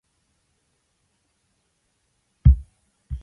Aharoni was born in Jaffa and raised in Holon.